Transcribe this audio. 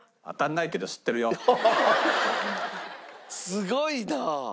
すごいな！